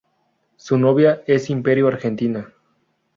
Su novia es Imperio Argentina.